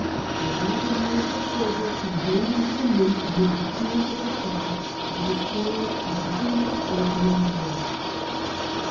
The waggon loads of silver conveyed into the Mint amid the cheers of the crowd were the spoils of the famous Opium War.